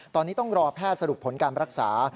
ตอนนี้ต้องรอแพทย์สรุปผลการรักษา